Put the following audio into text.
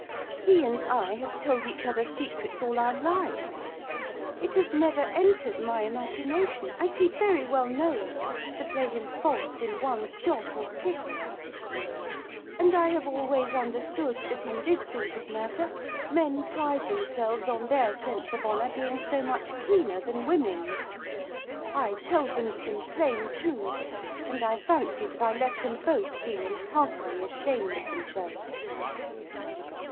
He and I have told each other secrets all our lives; it has never entered my imagination, as he very well knows, to play him false, in one jot or tittle; and I have always understood that, in this sort of matter, men pride themselves on their sense of honour being so much keener than women's. I told them some plain truths; and I fancy that I left them both feeling heartily ashamed of themselves.